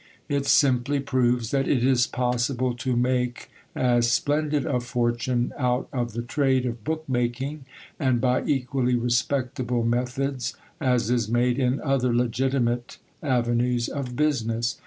It simply proves that it is possible to make as splendid a fortune out of the trade of book making, and by equally respectable methods, as is made in other legitimate avenues of business.